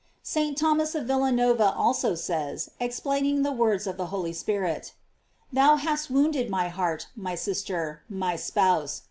"* St. Thomas of Villanova also says, explaining the words of the Holy Spirit, "Thou hast wounded my heart, my sister, my spouse